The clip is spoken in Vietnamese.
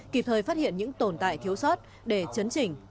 kịp thời phát hiện những tồn tại thiếu sót để chấn chỉnh